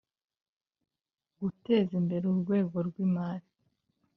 guteza imbere urwego rw'imari,